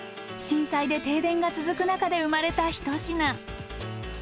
震災で停電が続く中で生まれた一品。